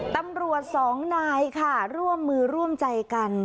ตำรวจสองนายค่ะร่วมมือร่วมใจกัน